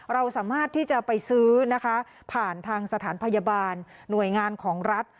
เราสามารถที่จะไปซื้อนะคะผ่านทางสถานพยาบาลหน่วยงานของรัฐ